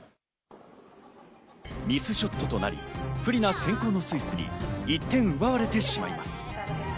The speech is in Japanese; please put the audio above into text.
ミスショットとなり、不利な先攻のスイスに１点奪われてしまいます。